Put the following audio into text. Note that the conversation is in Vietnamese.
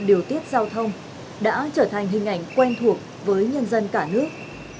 hình ảnh người chiến sát giao thông đã trở thành hình ảnh quen thuộc với nhân dân cả nước